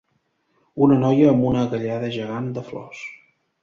Una noia amb una galleda gegant de flors.